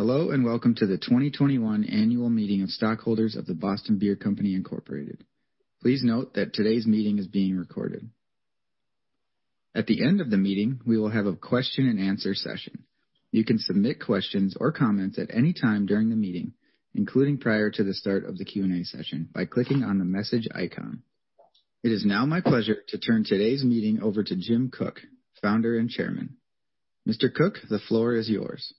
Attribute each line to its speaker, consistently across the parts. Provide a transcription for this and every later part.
Speaker 1: Hello and welcome to the 2021 Annual Meeting of Stockholders of The Boston Beer Company, Inc. Please note that today's meeting is being recorded. At the end of the meeting, we will have a question-and-answer session. You can submit questions or comments at any time during the meeting, including prior to the start of the Q&A session, by clicking on the message icon. It is now my pleasure to turn today's meeting over to Jim Koch, Founder and Chairman. Mr. Koch, the floor is yours.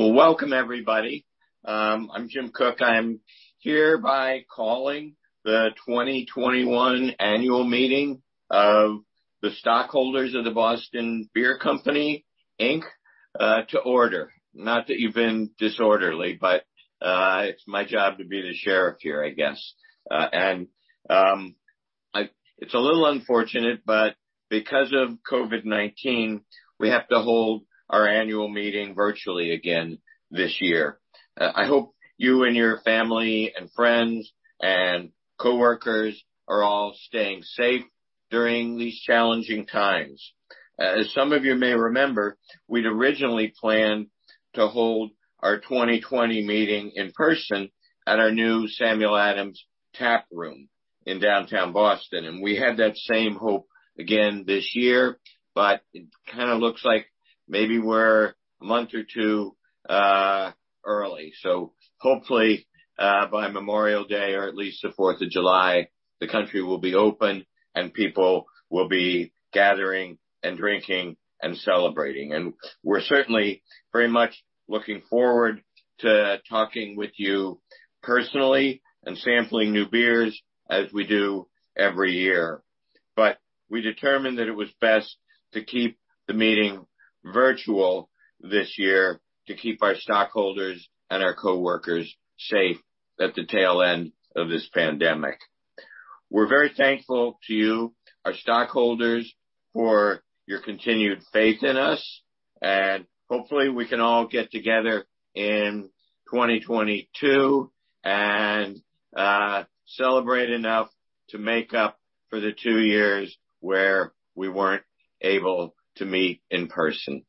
Speaker 2: Welcome everybody. I'm Jim Koch. I am hereby calling the 2021 Annual Meeting of the Stockholders of The Boston Beer Company, Inc., to order. Not that you've been disorderly, but it's my job to be the sheriff here, I guess. It's a little unfortunate, but because of COVID-19, we have to hold our annual meeting virtually again this year. I hope you and your family and friends and coworkers are all staying safe during these challenging times. As some of you may remember, we'd originally planned to hold our 2020 meeting in person at our new Samuel Adams Taproom in Downtown Boston. We had that same hope again this year, but it kind of looks like maybe we're a month or two early. So hopefully by Memorial Day, or at least the 4th of July, the country will be open and people will be gathering and drinking and celebrating. And we're certainly very much looking forward to talking with you personally and sampling new beers as we do every year. But we determined that it was best to keep the meeting virtual this year to keep our stockholders and our coworkers safe at the tail end of this pandemic. We're very thankful to you, our stockholders, for your continued faith in us. And hopefully we can all get together in 2022 and celebrate enough to make up for the two years where we weren't able to meet in person.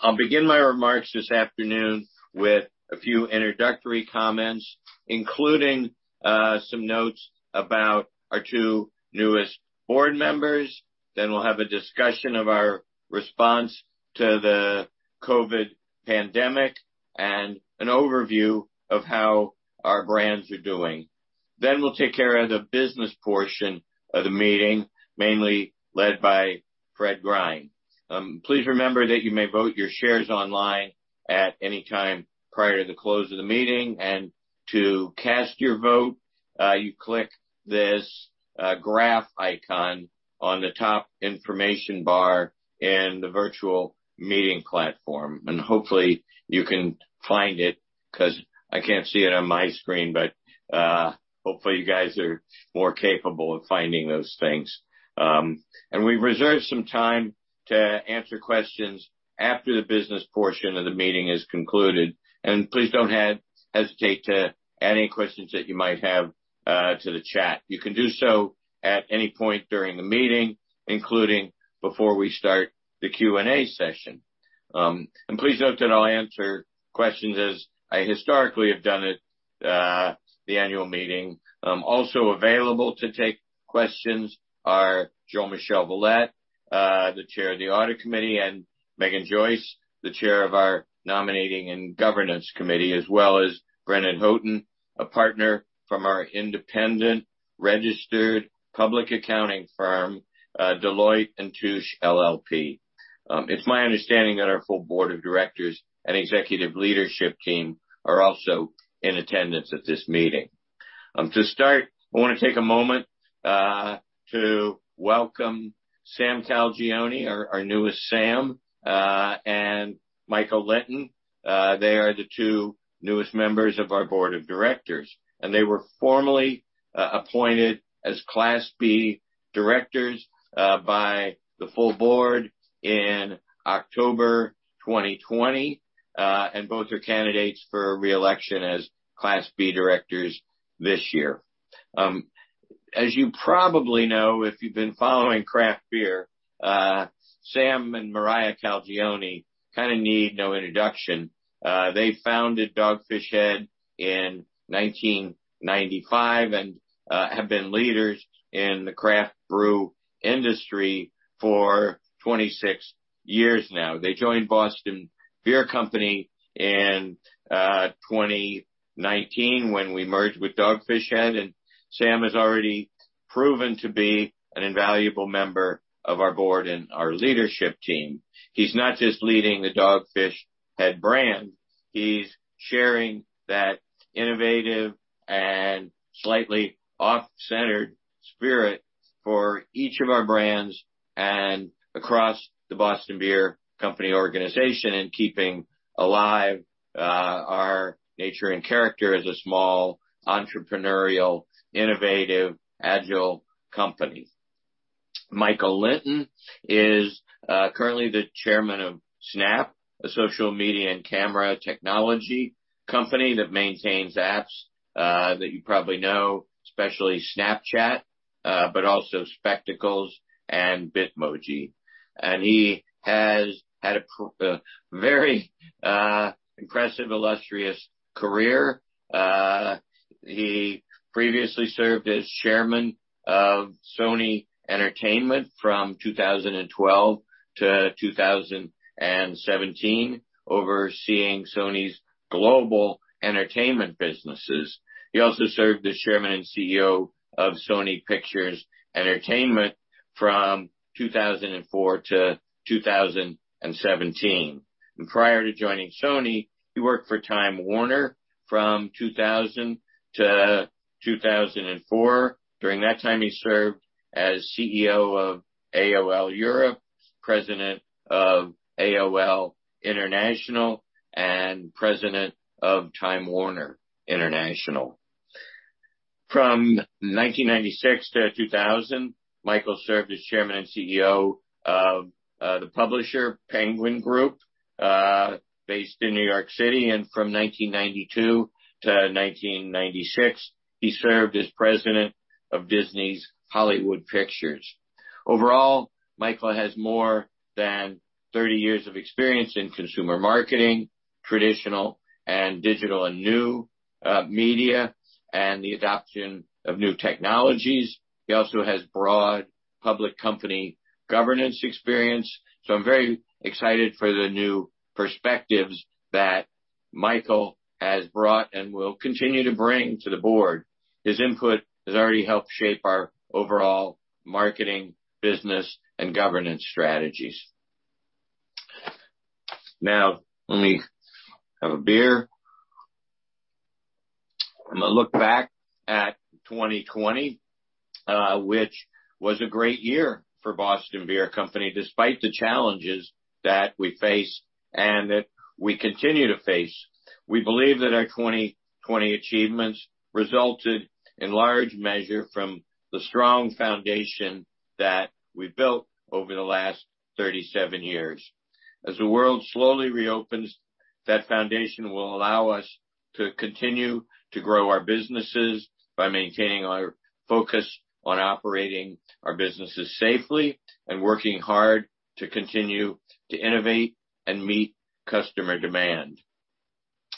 Speaker 2: I'll begin my remarks this afternoon with a few introductory comments, including some notes about our two newest board members. Then we'll have a discussion of our response to the COVID pandemic and an overview of how our brands are doing. Then we'll take care of the business portion of the meeting, mainly led by Fred Grein. Please remember that you may vote your shares online at any time prior to the close of the meeting. And to cast your vote, you click this graph icon on the top information bar in the virtual meeting platform. And hopefully you can find it because I can't see it on my screen, but hopefully you guys are more capable of finding those things. And we've reserved some time to answer questions after the business portion of the meeting is concluded. And please don't hesitate to add any questions that you might have to the chat. You can do so at any point during the meeting, including before we start the Q&A session. Please note that I'll answer questions as I historically have done at the annual meeting. Also available to take questions are Jean-Michel Valette, the Chair of the Audit Committee, and Meghan Joyce, the Chair of our Nominating and Governance Committee, as well as Brendan Houghton, a partner from our independent registered public accounting firm, Deloitte & Touche LLP. It's my understanding that our full board of directors and executive leadership team are also in attendance at this meeting. To start, I want to take a moment to welcome Sam Calagione, our newest Sam, and Michael Lynton. They are the two newest members of our board of directors. They were formally appointed as Class B directors by the full board in October 2020. Both are candidates for reelection as Class B directors this year. As you probably know, if you've been following craft beer, Sam and Mariah Calagione kind of need no introduction. They founded Dogfish Head in 1995 and have been leaders in the craft brew industry for 26 years now. They joined Boston Beer Company in 2019 when we merged with Dogfish Head. And Sam has already proven to be an invaluable member of our board and our leadership team. He's not just leading the Dogfish Head brand. He's sharing that innovative and slightly off-centered spirit for each of our brands and across the Boston Beer Company organization and keeping alive our nature and character as a small entrepreneurial, innovative, agile company. Michael Lynton is currently the Chairman of Snap, a social media and camera technology company that maintains apps that you probably know, especially Snapchat, but also Spectacles and Bitmoji. And he has had a very impressive, illustrious career. He previously served as Chairman of Sony Entertainment from 2012-2017, overseeing Sony's global entertainment businesses. He also served as Chairman and CEO of Sony Pictures Entertainment from 2004-2017. And prior to joining Sony, he worked for Time Warner from 2000 to 2004. During that time, he served as CEO of AOL Europe, President of AOL International, and President of Time Warner International. From 1996 to 2000, Michael served as Chairman and CEO of the publisher Penguin Group, based in New York City. And from 1992 to 1996, he served as President of Disney's Hollywood Pictures. Overall, Michael has more than 30 years of experience in consumer marketing, traditional and digital, and new media, and the adoption of new technologies. He also has broad public company governance experience. So I'm very excited for the new perspectives that Michael has brought and will continue to bring to the board. His input has already helped shape our overall marketing, business, and governance strategies. Now, let me have a beer. I'm going to look back at 2020, which was a great year for Boston Beer Company, despite the challenges that we faced and that we continue to face. We believe that our 2020 achievements resulted in large measure from the strong foundation that we've built over the last 37 years. As the world slowly reopens, that foundation will allow us to continue to grow our businesses by maintaining our focus on operating our businesses safely and working hard to continue to innovate and meet customer demand.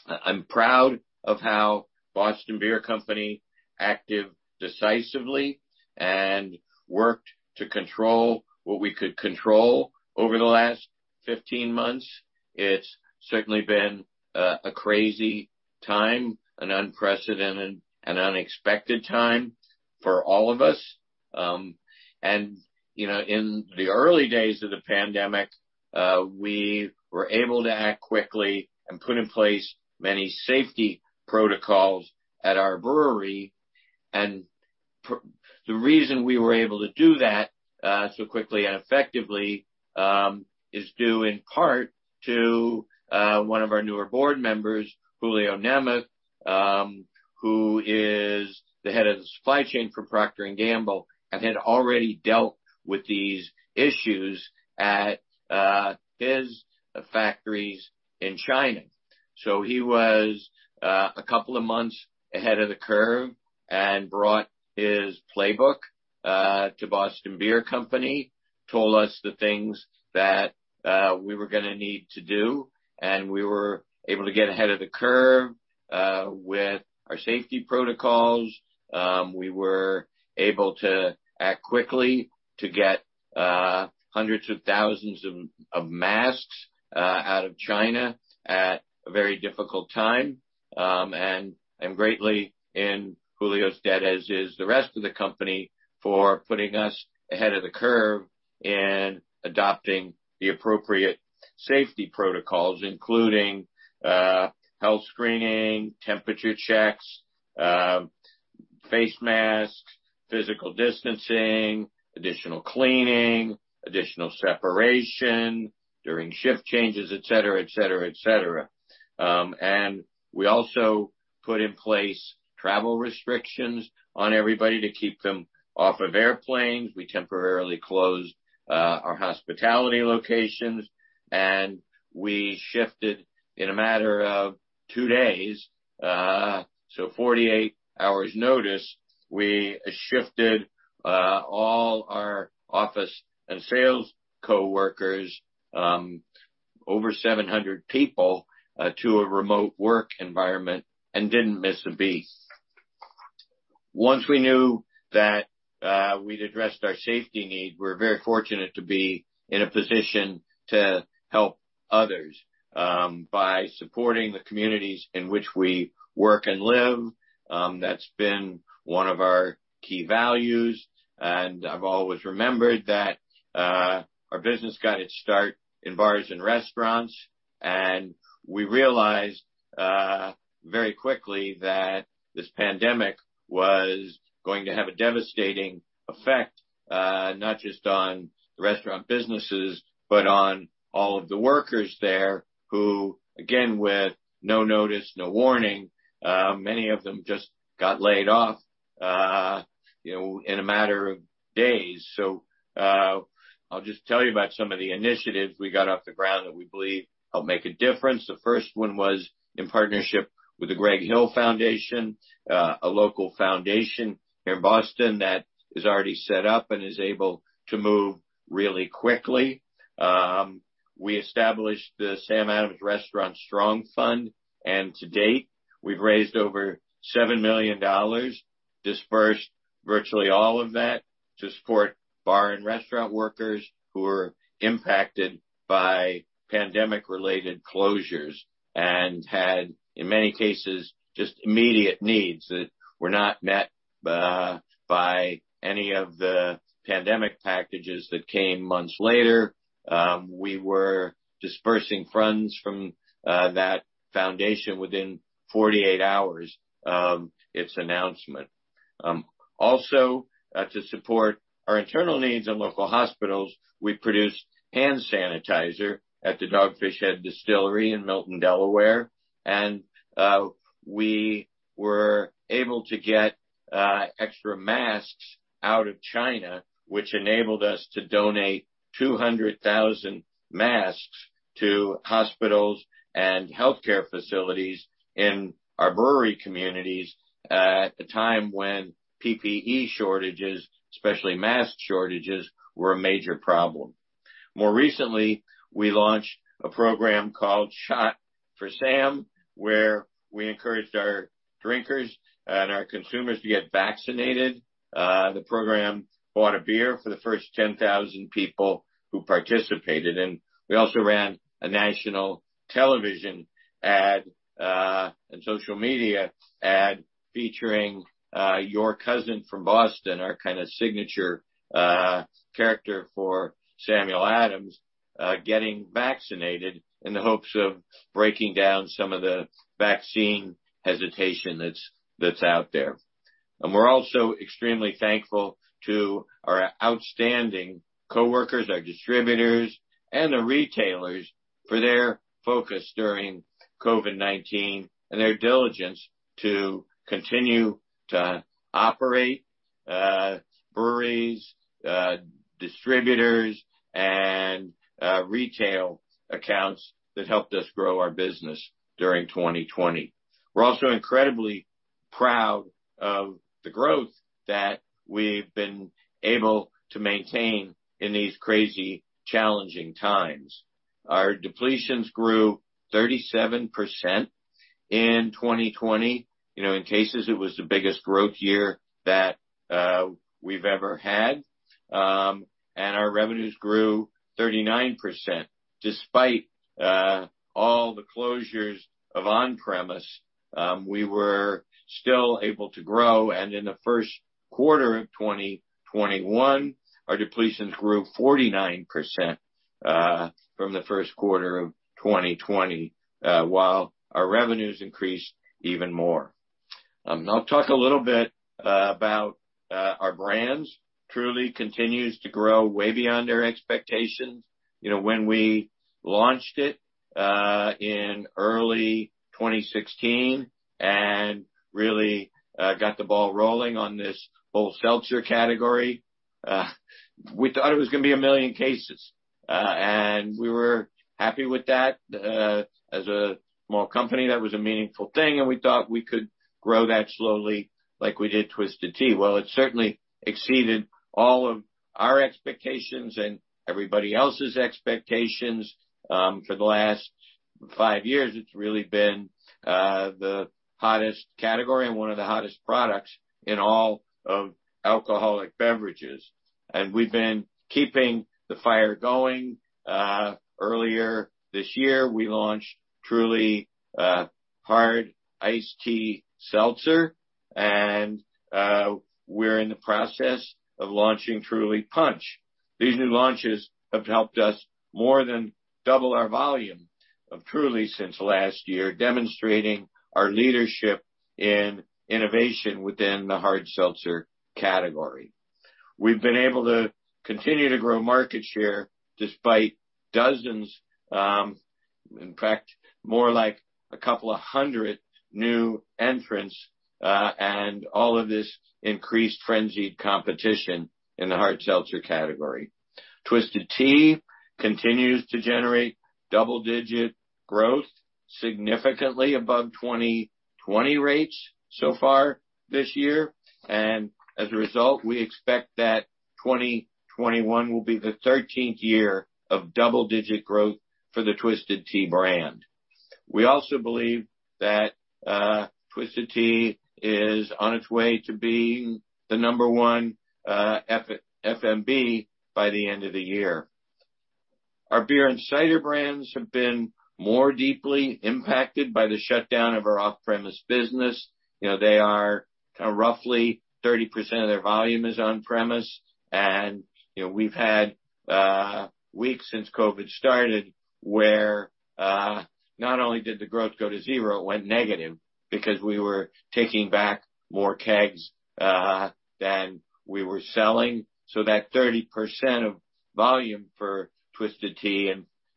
Speaker 2: I'm proud of how Boston Beer Company acted decisively and worked to control what we could control over the last 15 months. It's certainly been a crazy time, an unprecedented and unexpected time for all of us. And in the early days of the pandemic, we were able to act quickly and put in place many safety protocols at our brewery. And the reason we were able to do that so quickly and effectively is due in part to one of our newer board members, Julio Nemeth, who is the head of the supply chain for Procter & Gamble and had already dealt with these issues at his factories in China. So he was a couple of months ahead of the curve and brought his playbook to Boston Beer Company, told us the things that we were going to need to do. And we were able to get ahead of the curve with our safety protocols. We were able to act quickly to get hundreds of thousands of masks out of China at a very difficult time. I'm greatly in Julio's debt, as is the rest of the company, for putting us ahead of the curve in adopting the appropriate safety protocols, including health screening, temperature checks, face masks, physical distancing, additional cleaning, additional separation during shift changes, et cetera, et cetera, et cetera. We also put in place travel restrictions on everybody to keep them off of airplanes. We temporarily closed our hospitality locations. We shifted in a matter of two days, so 48 hours notice, we shifted all our office and sales coworkers, over 700 people, to a remote work environment and didn't miss a beat. Once we knew that we'd addressed our safety needs, we're very fortunate to be in a position to help others by supporting the communities in which we work and live. That's been one of our key values, and I've always remembered that our business got its start in bars and restaurants. And we realized very quickly that this pandemic was going to have a devastating effect, not just on the restaurant businesses, but on all of the workers there who, again, with no notice, no warning, many of them just got laid off in a matter of days, so I'll just tell you about some of the initiatives we got off the ground that we believe helped make a difference. The first one was in partnership with The Greg Hill Foundation, a local foundation here in Boston that is already set up and is able to move really quickly. We established the Sam Adams Restaurant Strong Fund, and to date, we've raised over $7 million, dispersed virtually all of that to support bar and restaurant workers who were impacted by pandemic-related closures and had, in many cases, just immediate needs that were not met by any of the pandemic packages that came months later. We were dispersing funds from that foundation within 48 hours of its announcement. Also, to support our internal needs and local hospitals, we produced hand sanitizer at the Dogfish Head Distillery in Milton, Delaware, and we were able to get extra masks out of China, which enabled us to donate 200,000 masks to hospitals and healthcare facilities in our brewery communities at a time when PPE shortages, especially mask shortages, were a major problem. More recently, we launched a program called Shot for Sam, where we encouraged our drinkers and our consumers to get vaccinated. The program bought a beer for the first 10,000 people who participated. And we also ran a national television ad and social media ad featuring Your Cousin From Boston, our kind of signature character for Samuel Adams, getting vaccinated in the hopes of breaking down some of the vaccine hesitation that's out there. And we're also extremely thankful to our outstanding coworkers, our distributors, and the retailers for their focus during COVID-19 and their diligence to continue to operate breweries, distributors, and retail accounts that helped us grow our business during 2020. We're also incredibly proud of the growth that we've been able to maintain in these crazy, challenging times. Our depletions grew 37% in 2020. In cases, it was the biggest growth year that we've ever had. And our revenues grew 39%. Despite all the closures of on-premise, we were still able to grow. In the first quarter of 2021, our depletions grew 49% from the first quarter of 2020, while our revenues increased even more. I'll talk a little bit about our brands. Truly continues to grow way beyond our expectations. When we launched it in early 2016 and really got the ball rolling on this whole seltzer category, we thought it was going to be a million cases. We were happy with that as a small company. That was a meaningful thing. We thought we could grow that slowly like we did Twisted Tea. It certainly exceeded all of our expectations and everybody else's expectations. For the last five years, it's really been the hottest category and one of the hottest products in all of alcoholic beverages. We've been keeping the fire going. Earlier this year, we launched Truly Iced Tea Hard Seltzer. And we're in the process of launching Truly Punch. These new launches have helped us more than double our volume of Truly since last year, demonstrating our leadership in innovation within the hard seltzer category. We've been able to continue to grow market share despite dozens, in fact, more like a couple of hundred new entrants, and all of this increased frenzied competition in the hard seltzer category. Twisted Tea continues to generate double-digit growth, significantly above 2020 rates so far this year. And as a result, we expect that 2021 will be the 13th year of double-digit growth for the Twisted Tea brand. We also believe that Twisted Tea is on its way to being the number one FMB by the end of the year. Our beer and cider brands have been more deeply impacted by the shutdown of our on-premise business. They are kind of roughly 30% of their volume is on-premise. And we've had weeks since COVID started where not only did the growth go to zero, it went negative because we were taking back more kegs than we were selling. So that 30% of volume for Twisted Tea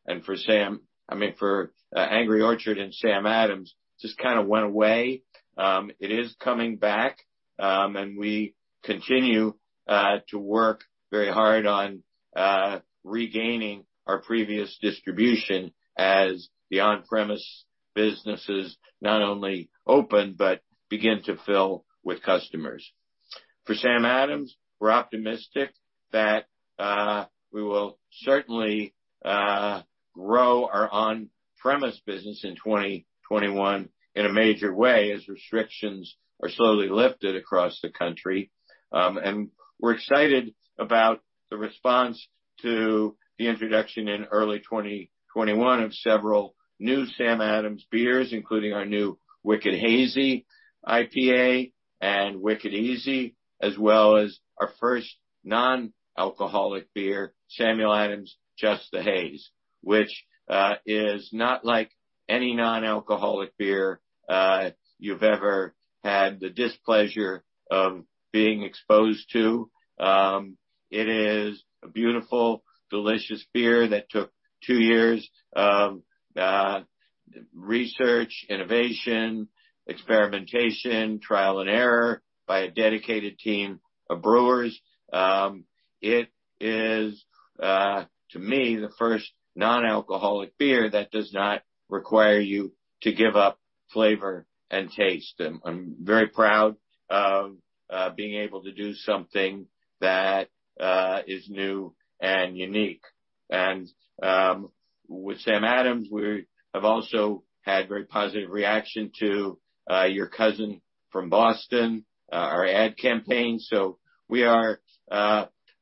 Speaker 2: and for Sam, I mean, for Angry Orchard and Sam Adams, just kind of went away. It is coming back. And we continue to work very hard on regaining our previous distribution as the on-premise businesses not only open but begin to fill with customers. For Sam Adams, we're optimistic that we will certainly grow our on-premise business in 2021 in a major way as restrictions are slowly lifted across the country. We're excited about the response to the introduction in early 2021 of several new Sam Adams beers, including our new Wicked Hazy IPA and Wicked Easy, as well as our first non-alcoholic beer, Samuel Adams Just the Haze, which is not like any non-alcoholic beer you've ever had the displeasure of being exposed to. It is a beautiful, delicious beer that took two years of research, innovation, experimentation, trial and error by a dedicated team of brewers. It is, to me, the first non-alcoholic beer that does not require you to give up flavor and taste. I'm very proud of being able to do something that is new and unique. With Sam Adams, we have also had very positive reaction to Your Cousin From Boston, our ad campaign. So we are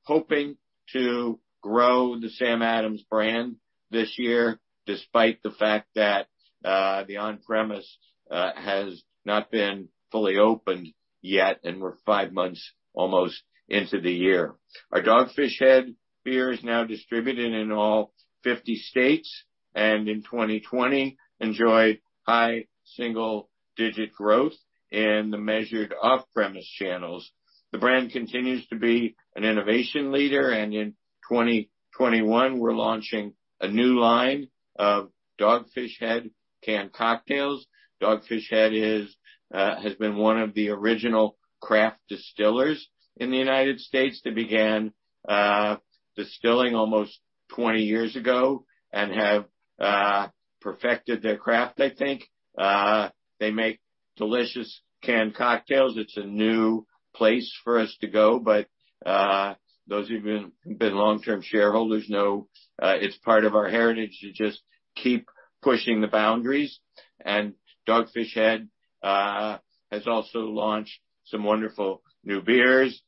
Speaker 2: hoping to grow the Sam Adams brand this year, despite the fact that the on-premise has not been fully opened yet, and we're five months almost into the year. Our Dogfish Head beer is now distributed in all 50 states. And in 2020, enjoyed high single-digit growth in the measured off-premise channels. The brand continues to be an innovation leader. And in 2021, we're launching a new line of Dogfish Head canned cocktails. Dogfish Head has been one of the original craft distillers in the United States that began distilling almost 20 years ago and have perfected their craft, I think. They make delicious canned cocktails. It's a new place for us to go. But those who've been long-term shareholders, it's part of our heritage to just keep pushing the boundaries. Dogfish Head has also launched some wonderful new beers,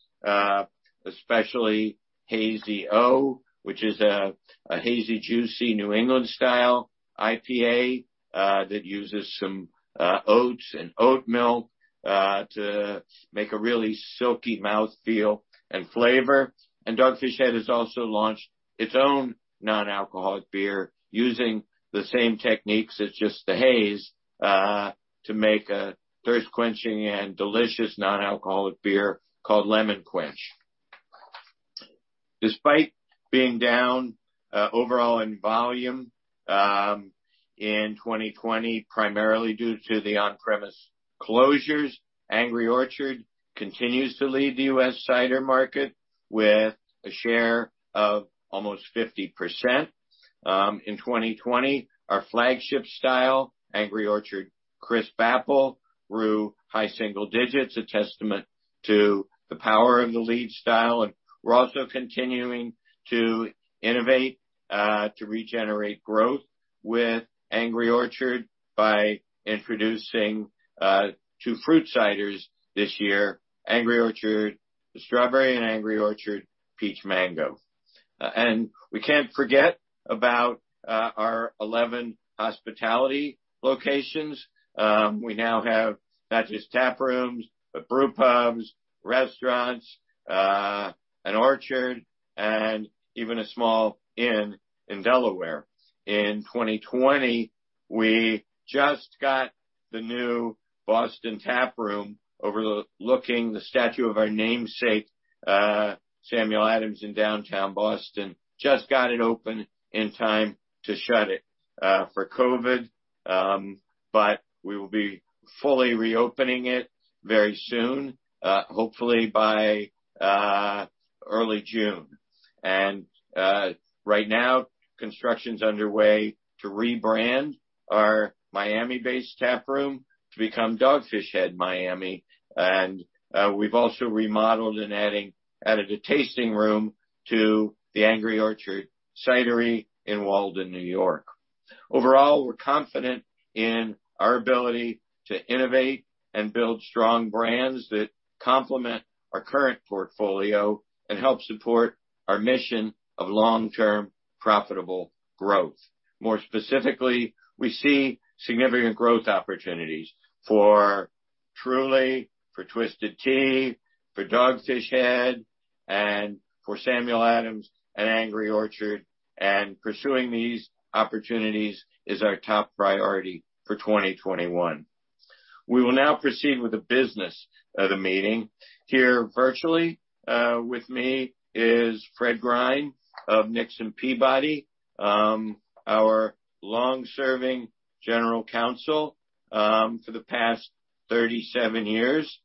Speaker 2: especially Hazy-O!, which is a hazy, juicy New England style IPA that uses some oats and oat milk to make a really silky mouthfeel and flavor. Dogfish Head has also launched its own non-alcoholic beer using the same techniques. It's Just the Haze to make a thirst-quenching and delicious non-alcoholic beer called Lemon Quest. Despite being down overall in volume in 2020, primarily due to the on-premise closures, Angry Orchard continues to lead the U.S. cider market with a share of almost 50%. In 2020, our flagship style, Angry Orchard Crisp Apple, grew high single digits, a testament to the power of the lead style. We're also continuing to innovate to regenerate growth with Angry Orchard by introducing two fruit ciders this year, Angry Orchard Strawberry and Angry Orchard Peach Mango. And we can't forget about our 11 hospitality locations. We now have not just taprooms, but brew pubs, restaurants, an orchard, and even a small inn in Delaware. In 2020, we just got the new Boston Taproom overlooking the statue of our namesake, Samuel Adams, in downtown Boston. Just got it open in time to shut it for COVID. But we will be fully reopening it very soon, hopefully by early June. And right now, construction's underway to rebrand our Miami-based taproom to become Dogfish Head Miami. And we've also remodeled and added a tasting room to the Angry Orchard Cidery in Walden, New York. Overall, we're confident in our ability to innovate and build strong brands that complement our current portfolio and help support our mission of long-term profitable growth. More specifically, we see significant growth opportunities for Truly, for Twisted Tea, for Dogfish Head, and for Samuel Adams and Angry Orchard, and pursuing these opportunities is our top priority for 2021. We will now proceed with the business of the meeting. Here virtually with me is Fred Grein of Nixon Peabody, our long-serving general counsel for the past 37 years.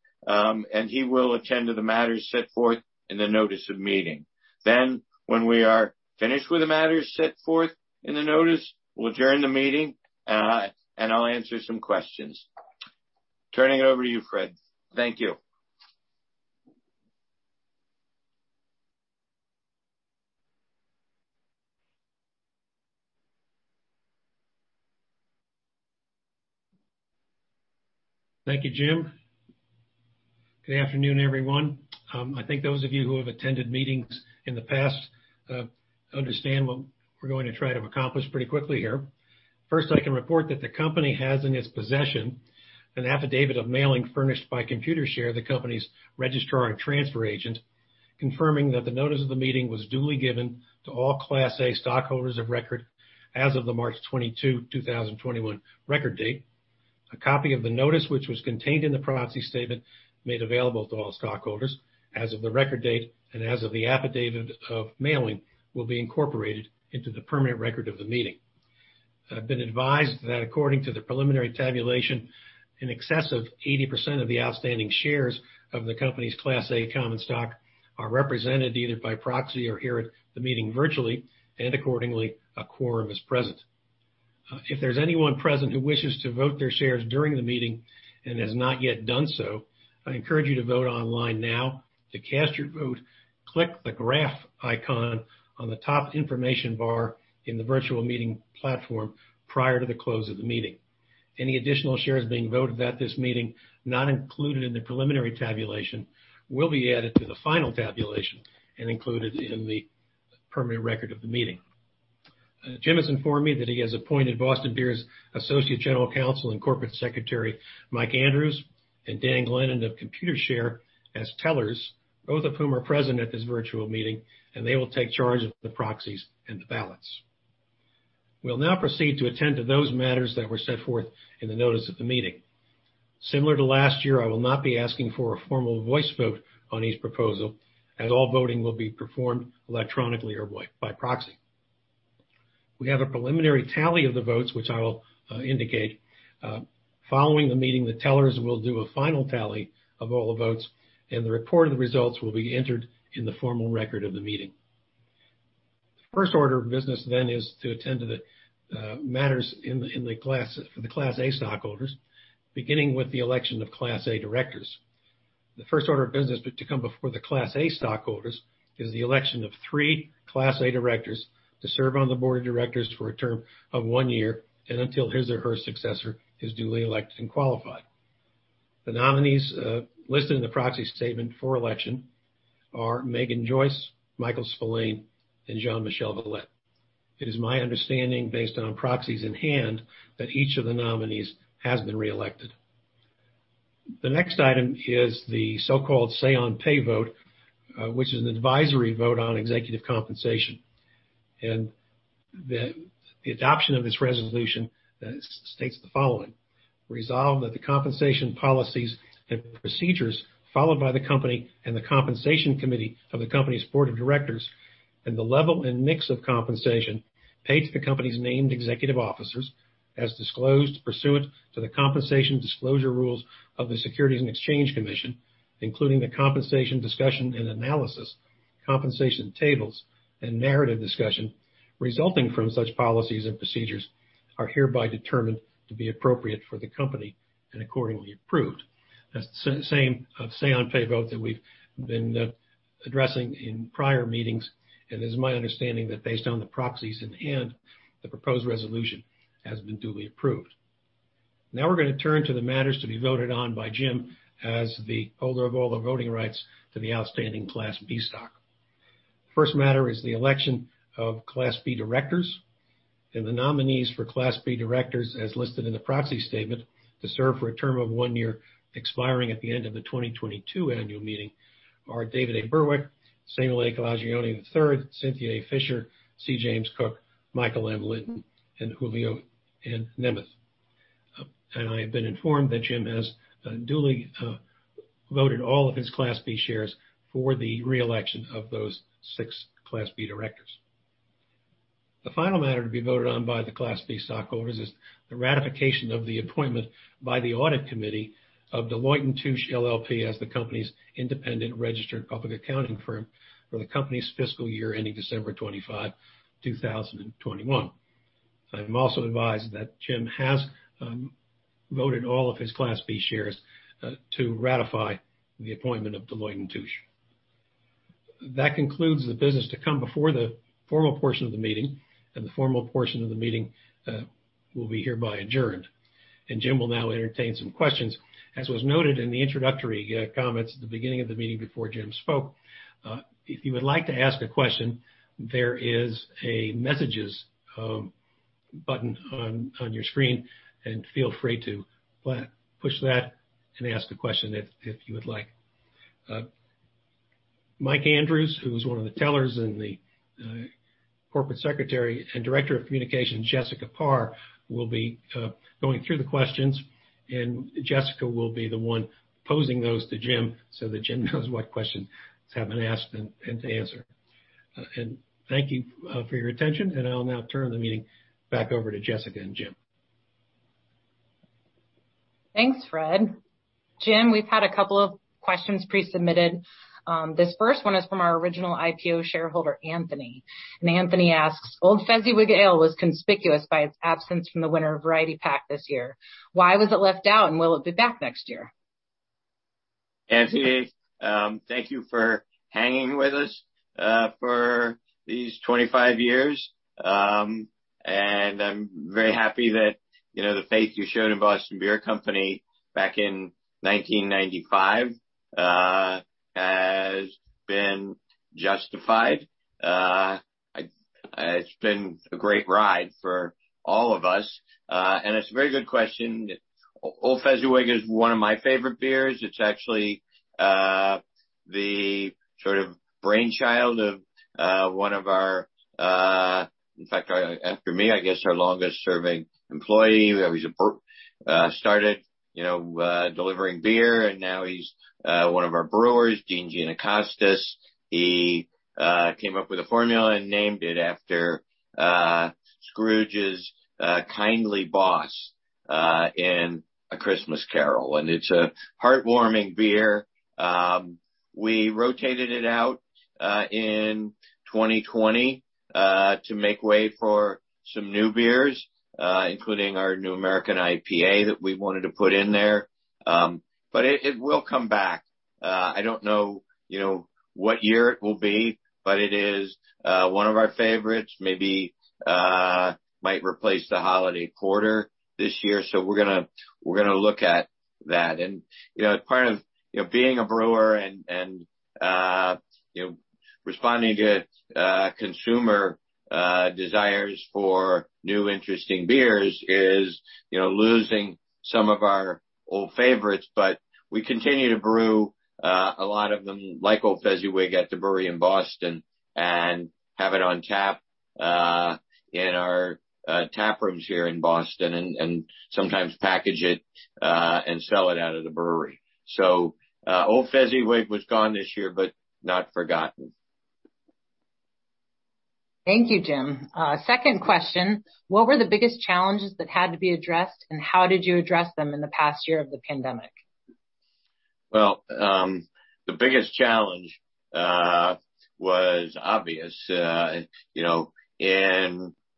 Speaker 2: He will attend to the matters set forth in the notice of meeting. Then, when we are finished with the matters set forth in the notice, we'll adjourn the meeting, and I'll answer some questions. Turning it over to you, Fred. Thank you.
Speaker 3: Thank you, Jim. Good afternoon, everyone. I think those of you who have attended meetings in the past understand what we're going to try to accomplish pretty quickly here. First, I can report that the company has in its possession an affidavit of mailing furnished by Computershare, the company's registrar and transfer agent, confirming that the notice of the meeting was duly given to all Class A stockholders of record as of the March 22, 2021, record date. A copy of the notice, which was contained in the proxy statement, made available to all stockholders as of the record date and as of the affidavit of mailing will be incorporated into the permanent record of the meeting. I've been advised that according to the preliminary tabulation, an excess of 80% of the outstanding shares of the company's Class A Common Stock are represented either by proxy or here at the meeting virtually, and accordingly, a quorum is present. If there's anyone present who wishes to vote their shares during the meeting and has not yet done so, I encourage you to vote online now. To cast your vote, click the graph icon on the top information bar in the virtual meeting platform prior to the close of the meeting. Any additional shares being voted at this meeting, not included in the preliminary tabulation, will be added to the final tabulation and included in the permanent record of the meeting. Jim has informed me that he has appointed Boston Beer's associate general counsel and corporate secretary, Mike Andrews, and Dan Glennon of Computershare as tellers, both of whom are present at this virtual meeting, and they will take charge of the proxies and the ballots. We'll now proceed to attend to those matters that were set forth in the notice of the meeting. Similar to last year, I will not be asking for a formal voice vote on each proposal, as all voting will be performed electronically or by proxy. We have a preliminary tally of the votes, which I will indicate. Following the meeting, the tellers will do a final tally of all the votes, and the report of the results will be entered in the formal record of the meeting. The first order of business then is to attend to the matters for the Class A stockholders, beginning with the election of Class A directors. The first order of business to come before the Class A stockholders is the election of three Class A directors to serve on the board of directors for a term of one year and until his or her successor is duly elected and qualified. The nominees listed in the Proxy Statement for election are Meghan Joyce, Michael Spillane, and Jean-Michel Valette. It is my understanding, based on proxies in hand, that each of the nominees has been reelected. The next item is the so-called Say-on-Pay vote, which is an advisory vote on executive compensation. And the adoption of this resolution states the following: resolve that the compensation policies and procedures followed by the company and the Compensation Committee of the company's board of directors and the level and mix of compensation paid to the company's named executive officers, as disclosed pursuant to the compensation disclosure rules of the Securities and Exchange Commission, including the compensation discussion and analysis, compensation tables, and narrative discussion resulting from such policies and procedures are hereby determined to be appropriate for the company and accordingly approved. That's the same Say-on-Pay vote that we've been addressing in prior meetings. And it is my understanding that based on the proxies in hand, the proposed resolution has been duly approved. Now we're going to turn to the matters to be voted on by Jim as the holder of all the voting rights to the outstanding Class B stock. The first matter is the election of Class B directors. And the nominees for Class B directors, as listed in the proxy statement, to serve for a term of one year expiring at the end of the 2022 annual meeting are David A. Burwick, Samuel A. Calagione III, Cynthia A. Fisher, C. James Koch, Michael Lynton, and Julio Nemeth. And I have been informed that Jim has duly voted all of his Class B shares for the reelection of those six Class B directors. The final matter to be voted on by the Class B stockholders is the ratification of the appointment by the Audit Committee of Deloitte & Touche LLP as the company's independent registered public accounting firm for the company's fiscal year ending December 25, 2021. I'm also advised that Jim has voted all of his Class B shares to ratify the appointment of Deloitte & Touche. That concludes the business to come before the formal portion of the meeting. And the formal portion of the meeting will be hereby adjourned. And Jim will now entertain some questions. As was noted in the introductory comments at the beginning of the meeting before Jim spoke, if you would like to ask a question, there is a messages button on your screen, and feel free to push that and ask a question if you would like. Mike Andrews, who was one of the tellers and the Corporate Secretary, and Director of Communication Jessica Paar, will be going through the questions, and Jessica will be the one posing those to Jim so that Jim knows what questions have been asked and to answer, and thank you for your attention, and I'll now turn the meeting back over to Jessica and Jim.
Speaker 4: Thanks, Fred. Jim, we've had a couple of questions pre-submitted. This first one is from our original IPO shareholder, Anthony, and Anthony asks, "Old Fezziwig Ale was conspicuous by its absence from the Winter Variety Pack this year. Why was it left out, and will it be back next year?
Speaker 2: Anthony, thank you for hanging with us for these 25 years, and I'm very happy that the faith you showed in Boston Beer Company back in 1995 has been justified. It's been a great ride for all of us, and it's a very good question. Old Fezziwig is one of my favorite beers. It's actually the sort of brainchild of one of our, in fact, after me, I guess, our longest-serving employee. He started delivering beer, and now he's one of our brewers, Gene Giannokostas. He came up with a formula and named it after Scrooge's kindly boss in A Christmas Carol, and it's a heartwarming beer. We rotated it out in 2020 to make way for some new beers, including our new American IPA that we wanted to put in there, but it will come back. I don't know what year it will be, but it is one of our favorites. Maybe it might replace the Holiday Porter this year. So we're going to look at that. And part of being a brewer and responding to consumer desires for new interesting beers is losing some of our old favorites. But we continue to brew a lot of them, like Old Fezziwig, at the brewery in Boston and have it on tap in our taprooms here in Boston and sometimes package it and sell it out of the brewery. So Old Fezziwig was gone this year, but not forgotten.
Speaker 4: Thank you, Jim. Second question: what were the biggest challenges that had to be addressed, and how did you address them in the past year of the pandemic?
Speaker 2: The biggest challenge was obvious. In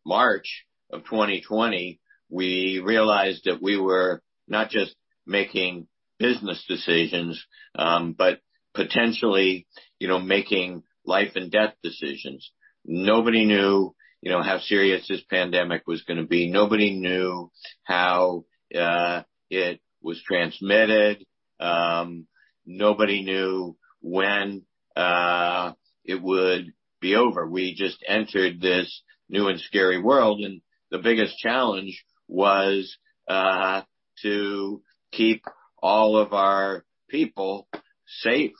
Speaker 2: March of 2020, we realized that we were not just making business decisions, but potentially making life-and-death decisions. Nobody knew how serious this pandemic was going to be. Nobody knew how it was transmitted. Nobody knew when it would be over. We just entered this new and scary world. And the biggest challenge was to keep all of our people safe.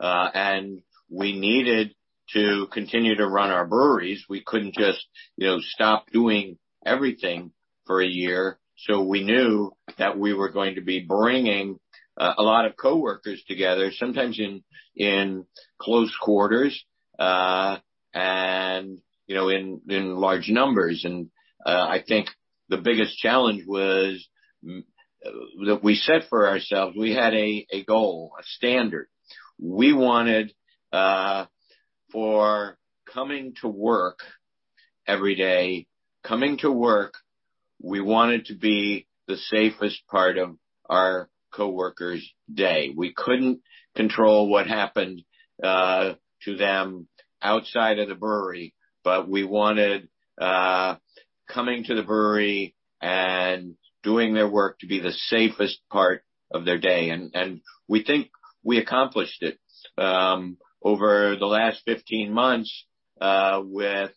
Speaker 2: And we needed to continue to run our breweries. We couldn't just stop doing everything for a year. So we knew that we were going to be bringing a lot of coworkers together, sometimes in close quarters and in large numbers. And I think the biggest challenge was that we set for ourselves we had a goal, a standard. We wanted for coming to work every day, coming to work, we wanted to be the safest part of our coworkers' day. We couldn't control what happened to them outside of the brewery. But we wanted coming to the brewery and doing their work to be the safest part of their day. And we think we accomplished it over the last 15 months with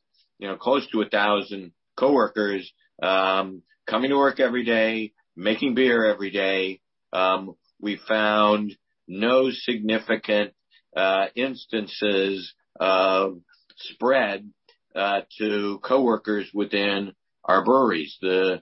Speaker 2: close to 1,000 coworkers coming to work every day, making beer every day. We found no significant instances of spread to coworkers within our breweries. The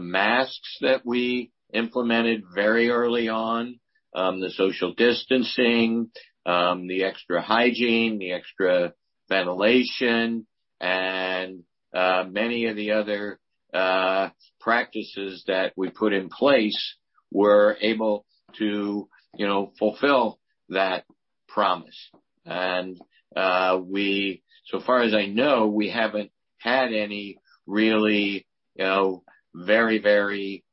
Speaker 2: masks that we implemented very early on, the social distancing, the extra hygiene, the extra ventilation, and many of the other practices that we put in place were able to fulfill that promise. And so far as I know, we haven't had any really very, very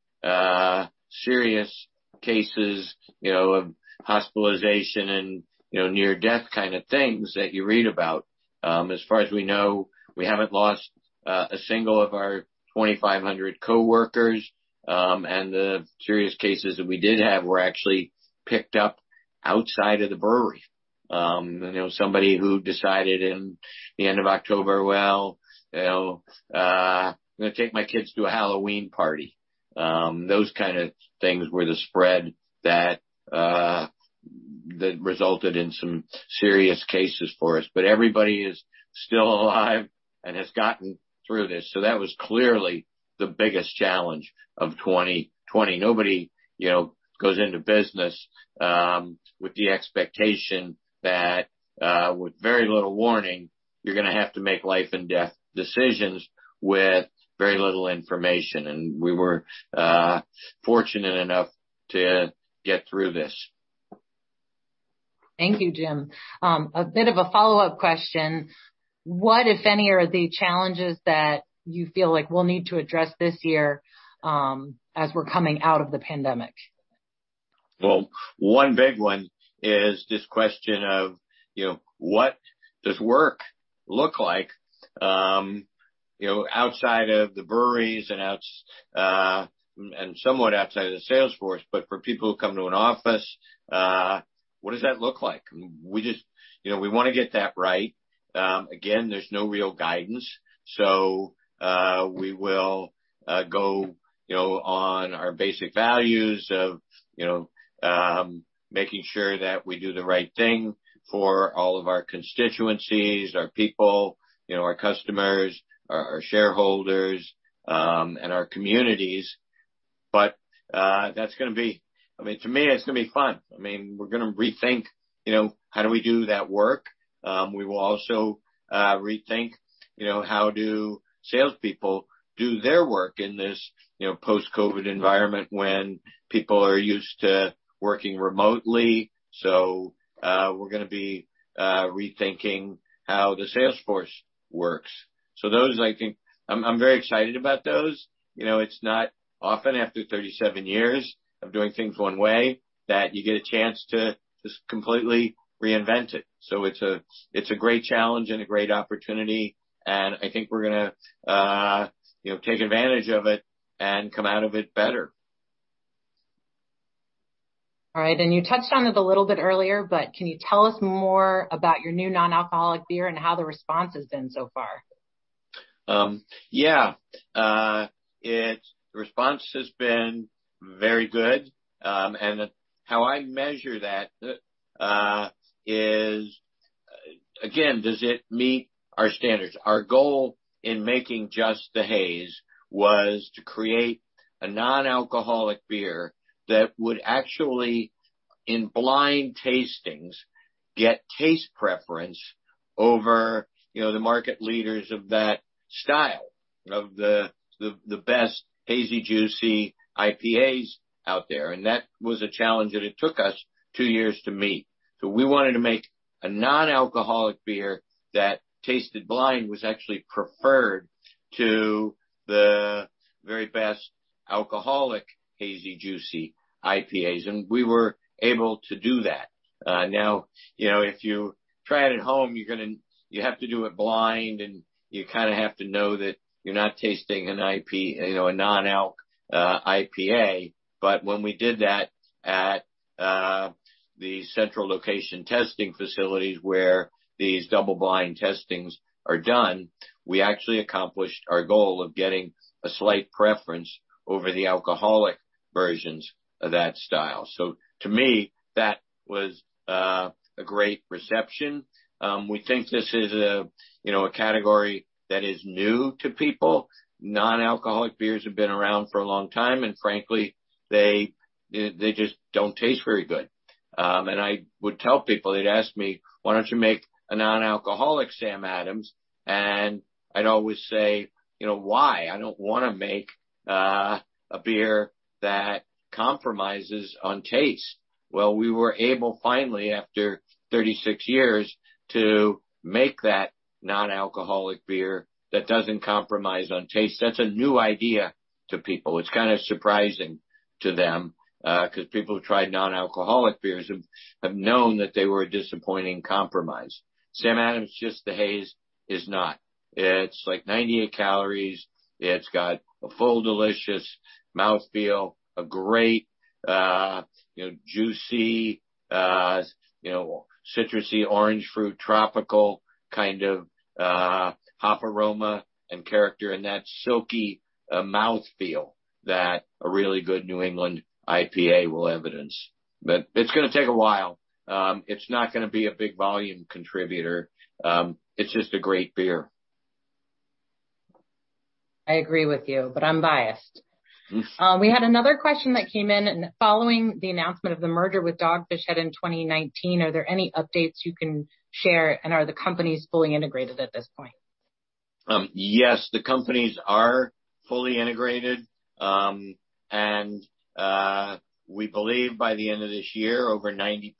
Speaker 2: serious cases of hospitalization and near-death kind of things that you read about. As far as we know, we haven't lost a single of our 2,500 coworkers. The serious cases that we did have were actually picked up outside of the brewery. Somebody who decided in the end of October, "Well, I'm going to take my kids to a Halloween party." Those kind of things were the spread that resulted in some serious cases for us. Everybody is still alive and has gotten through this. That was clearly the biggest challenge of 2020. Nobody goes into business with the expectation that with very little warning, you're going to have to make life-and-death decisions with very little information. We were fortunate enough to get through this.
Speaker 4: Thank you, Jim. A bit of a follow-up question: what, if any, are the challenges that you feel like we'll need to address this year as we're coming out of the pandemic?
Speaker 2: One big one is this question of what does work look like outside of the breweries and somewhat outside of the sales force, but for people who come to an office, what does that look like? We want to get that right. Again, there's no real guidance. So we will go on our basic values of making sure that we do the right thing for all of our constituencies, our people, our customers, our shareholders, and our communities. But that's going to be, I mean, to me, it's going to be fun. I mean, we're going to rethink how do we do that work. We will also rethink how do salespeople do their work in this post-COVID environment when people are used to working remotely. So we're going to be rethinking how the sales force works. So those, I think I'm very excited about those. It's not often after 37 years of doing things one way that you get a chance to just completely reinvent it. So it's a great challenge and a great opportunity. And I think we're going to take advantage of it and come out of it better.
Speaker 4: All right, and you touched on it a little bit earlier, but can you tell us more about your new non-alcoholic beer and how the response has been so far?
Speaker 2: Yeah. The response has been very good. And how I measure that is, again, does it meet our standards? Our goal in making Just the Haze was to create a non-alcoholic beer that would actually, in blind tastings, get taste preference over the market leaders of that style, of the best hazy, juicy IPAs out there. And that was a challenge that it took us two years to meet. So we wanted to make a non-alcoholic beer that tasted blind was actually preferred to the very best alcoholic hazy, juicy IPAs. And we were able to do that. Now, if you try it at home, you have to do it blind, and you kind of have to know that you're not tasting a non-alc IPA. But when we did that at the central location testing facilities where these double-blind testings are done, we actually accomplished our goal of getting a slight preference over the alcoholic versions of that style. So to me, that was a great reception. We think this is a category that is new to people. Non-alcoholic beers have been around for a long time. And frankly, they just don't taste very good. And I would tell people they'd ask me, "Why don't you make a non-alcoholic Sam Adams?" And I'd always say, "Why? I don't want to make a beer that compromises on taste." Well, we were able finally, after 36 years, to make that non-alcoholic beer that doesn't compromise on taste. That's a new idea to people. It's kind of surprising to them because people who've tried non-alcoholic beers have known that they were a disappointing compromise. Sam Adams Just the Haze is not. It's like 98 calories. It's got a full, delicious mouthfeel, a great juicy, citrusy, orange-fruit, tropical kind of hop aroma and character and that silky mouthfeel that a really good New England IPA will evidence. But it's going to take a while. It's not going to be a big volume contributor. It's just a great beer.
Speaker 4: I agree with you, but I'm biased. We had another question that came in. Following the announcement of the merger with Dogfish Head in 2019, are there any updates you can share? And are the companies fully integrated at this point?
Speaker 2: Yes, the companies are fully integrated. And we believe by the end of this year, over 90%,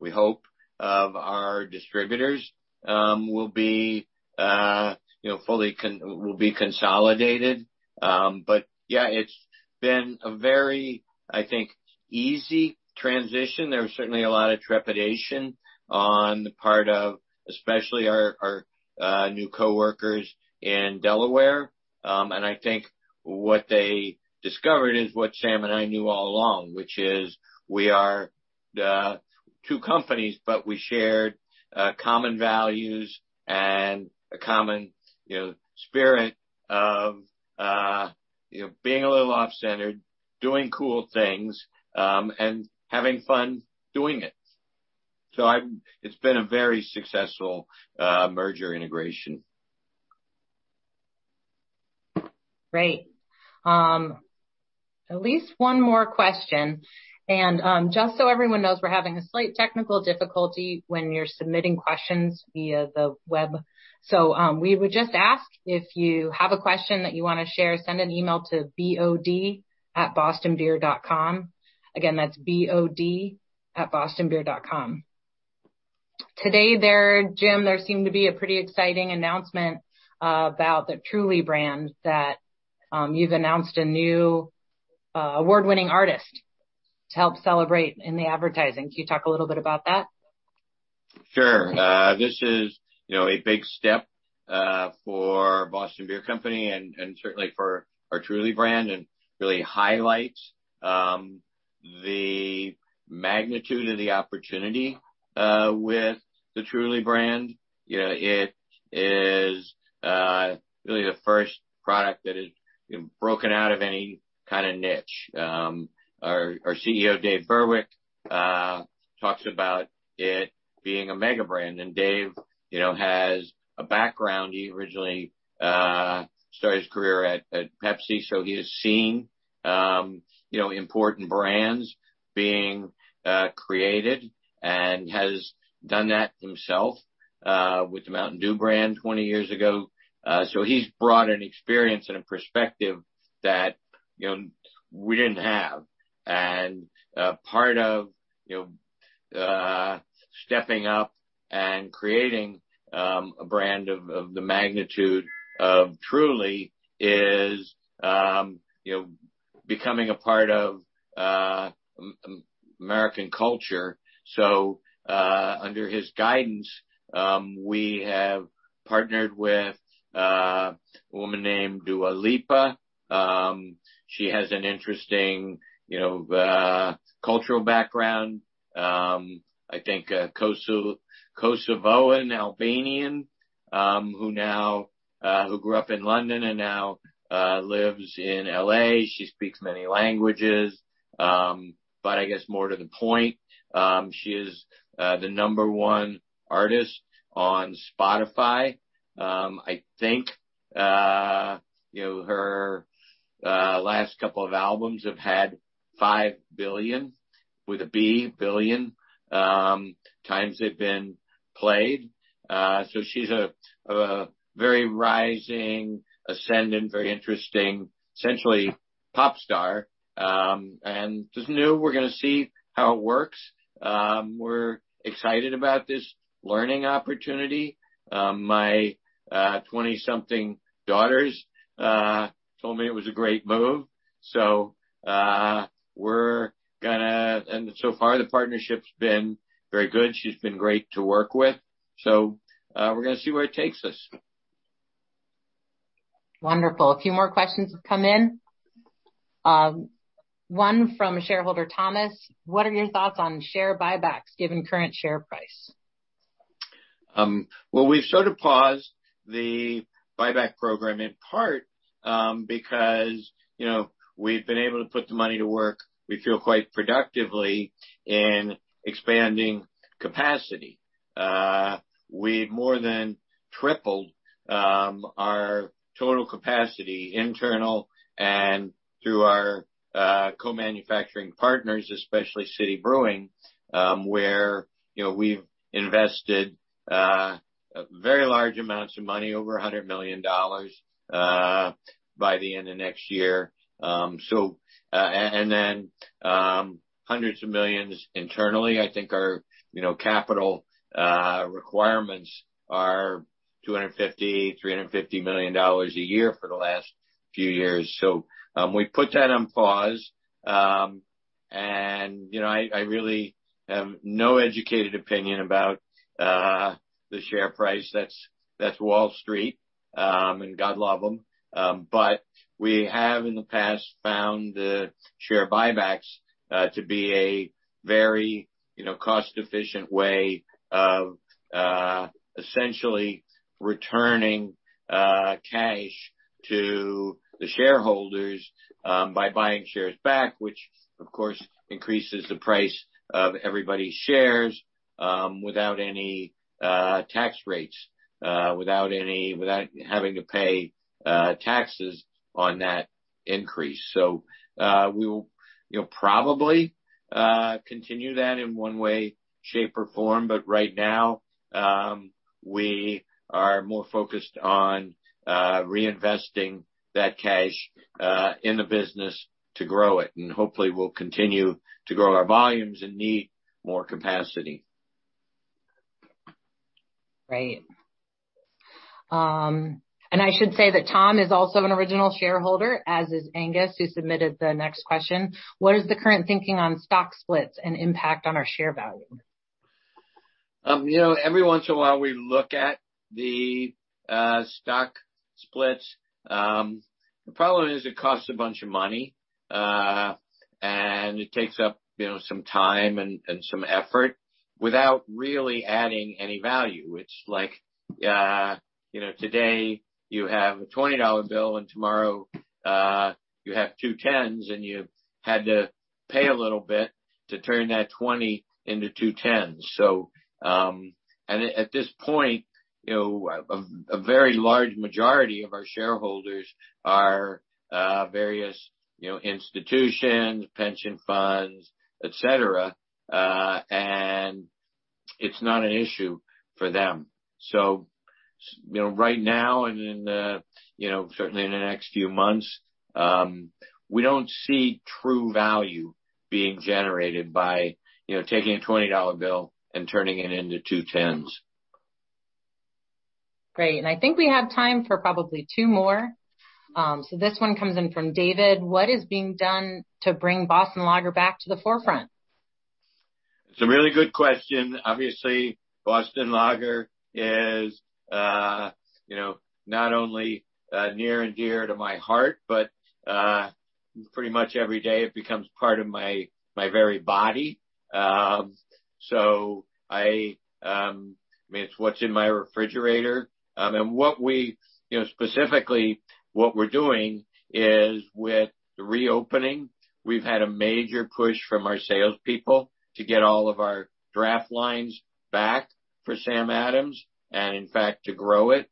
Speaker 2: we hope, of our distributors will be fully consolidated. But yeah, it's been a very, I think, easy transition. There was certainly a lot of trepidation on the part of especially our new coworkers in Delaware. And I think what they discovered is what Sam and I knew all along, which is we are two companies, but we shared common values and a common spirit of being a little off-centered, doing cool things, and having fun doing it. So it's been a very successful merger integration.
Speaker 4: Great. At least one more question. And just so everyone knows, we're having a slight technical difficulty when you're submitting questions via the web. So we would just ask, if you have a question that you want to share, send an email to bod@bostonbeer.com. Again, that's bod@bostonbeer.com. Today, Jim, there seemed to be a pretty exciting announcement about the Truly brand that you've announced a new award-winning artist to help celebrate in the advertising. Can you talk a little bit about that?
Speaker 2: Sure. This is a big step for Boston Beer Company and certainly for our Truly brand and really highlights the magnitude of the opportunity with the Truly brand. It is really the first product that has broken out of any kind of niche. Our CEO, Dave Burwick, talks about it being a mega brand, and Dave has a background. He originally started his career at Pepsi, so he has seen important brands being created and has done that himself with the Mountain Dew brand 20 years ago. So he's brought an experience and a perspective that we didn't have, and part of stepping up and creating a brand of the magnitude of Truly is becoming a part of American culture, so under his guidance, we have partnered with a woman named Dua Lipa. She has an interesting cultural background, I think, Kosovan, Albanian, who grew up in London and now lives in L.A.. She speaks many languages. But I guess more to the point, she is the number one artist on Spotify. I think her last couple of albums have had 5 billion with a B, billion, times they've been played. So she's a very rising, ascending, very interesting, essentially pop star. And just knew we're going to see how it works. We're excited about this learning opportunity. My 20-something daughters told me it was a great move. So we're going to and so far, the partnership's been very good. She's been great to work with. So we're going to see where it takes us.
Speaker 4: Wonderful. A few more questions have come in. One from shareholder Thomas. What are your thoughts on share buybacks given current share price?
Speaker 2: We've sort of paused the buyback program in part because we've been able to put the money to work. We feel quite productively in expanding capacity. We've more than tripled our total capacity internal and through our co-manufacturing partners, especially City Brewing, where we've invested very large amounts of money, over $100 million by the end of next year, and then hundreds of millions internally. I think our capital requirements are $250million-$350 million a year for the last few years, so we put that on pause, and I really have no educated opinion about the share price. That's Wall Street, and God love them. But we have in the past found the share buybacks to be a very cost-efficient way of essentially returning cash to the shareholders by buying shares back, which, of course, increases the price of everybody's shares without any tax rates, without having to pay taxes on that increase. So we will probably continue that in one way, shape, or form. But right now, we are more focused on reinvesting that cash in the business to grow it. And hopefully, we'll continue to grow our volumes and need more capacity.
Speaker 4: Great. And I should say that Tom is also an original shareholder, as is Angus, who submitted the next question. What is the current thinking on stock splits and impact on our share value?
Speaker 2: Every once in a while, we look at the stock splits. The problem is it costs a bunch of money, and it takes up some time and some effort without really adding any value. It's like today, you have a $20 bill, and tomorrow, you have two tens, and you had to pay a little bit to turn that 20 into two tens. And at this point, a very large majority of our shareholders are various institutions, pension funds, etc. And it's not an issue for them. So right now, and certainly in the next few months, we don't see true value being generated by taking a $20 bill and turning it into two tens.
Speaker 4: Great. And I think we have time for probably two more. So this one comes in from David. What is being done to bring Boston Lager back to the forefront?
Speaker 2: It's a really good question. Obviously, Boston Lager is not only near and dear to my heart, but pretty much every day, it becomes part of my very body. So I mean, it's what's in my refrigerator, and specifically, what we're doing is with the reopening, we've had a major push from our salespeople to get all of our draft lines back for Sam Adams and, in fact, to grow it.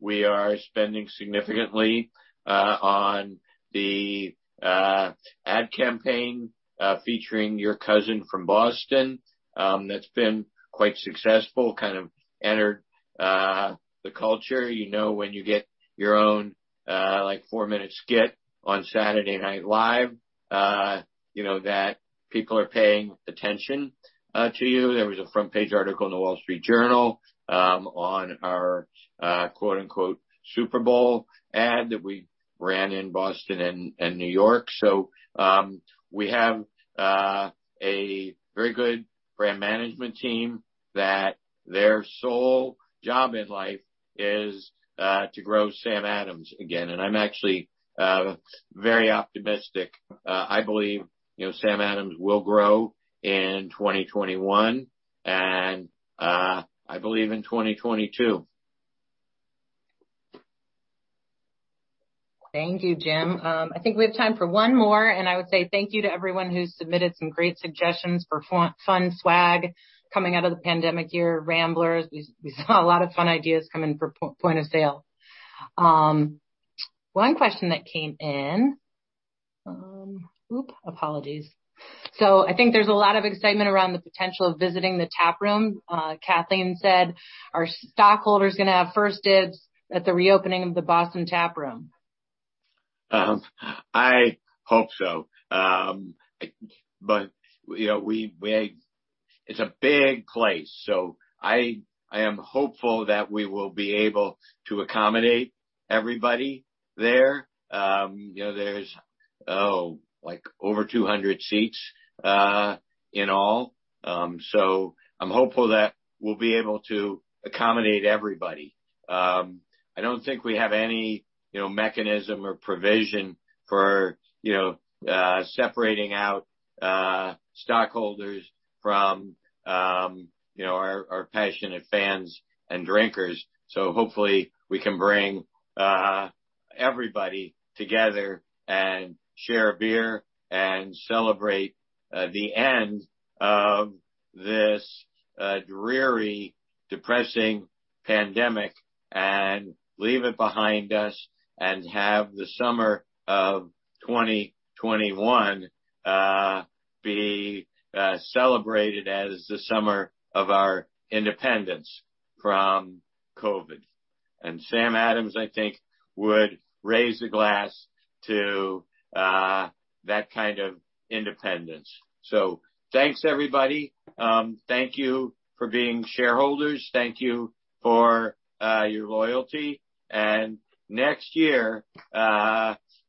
Speaker 2: We are spending significantly on the ad campaign featuring Your Cousin From Boston that's been quite successful, kind of entered the culture. You know when you get your own four-minute skit on Saturday Night Live that people are paying attention to you. There was a front-page article in The Wall Street Journal on our "Super Bowl" ad that we ran in Boston and New York. So we have a very good brand management team that their sole job in life is to grow Sam Adams again. And I'm actually very optimistic. I believe Sam Adams will grow in 2021 and I believe in 2022.
Speaker 4: Thank you, Jim. I think we have time for one more, and I would say thank you to everyone who submitted some great suggestions for fun swag coming out of the pandemic year, Ramblers. We saw a lot of fun ideas come in for point of sale. One question that came in. Apologies, so I think there's a lot of excitement around the potential of visiting the taproom. Kathleen said, "Are stockholders going to have first dibs at the reopening of the Boston Taproom?
Speaker 2: I hope so. But it's a big place. So I am hopeful that we will be able to accommodate everybody there. There's, oh, like over 200 seats in all. So I'm hopeful that we'll be able to accommodate everybody. I don't think we have any mechanism or provision for separating out stockholders from our passionate fans and drinkers. So hopefully, we can bring everybody together and share a beer and celebrate the end of this dreary, depressing pandemic and leave it behind us and have the summer of 2021 be celebrated as the summer of our independence from COVID. And Sam Adams, I think, would raise a glass to that kind of independence. So thanks, everybody. Thank you for being shareholders. Thank you for your loyalty. And next year,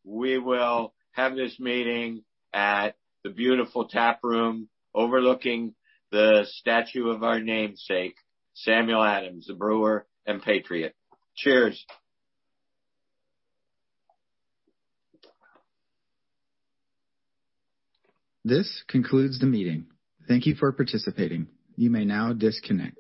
Speaker 2: we will have this meeting at the beautiful taproom overlooking the statue of our namesake, Samuel Adams, the brewer and patriot. Cheers.
Speaker 1: This concludes the meeting. Thank you for participating. You may now disconnect.